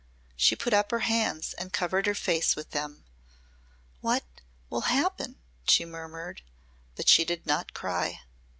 She put up her hands and covered her face with them. "What will happen?" she murmured. But she did not cry.